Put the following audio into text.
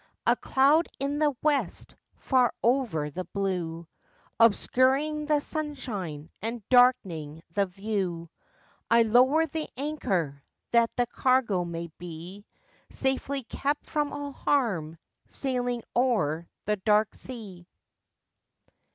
A cloud in the west, far over the blue, Obscuring the sunshine and darkening the view I lower the anchor, That the cargo may be Safely kept from all harm, Sailing o'er the dark sea.